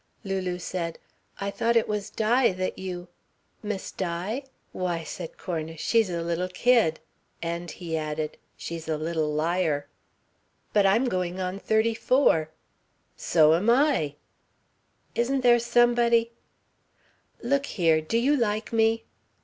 Lulu said: "I thought it was Di that you " "Miss Di? Why," said Cornish, "she's a little kid. And," he added, "she's a little liar." "But I'm going on thirty four." "So am I!" "Isn't there somebody " "Look here. Do you like me?"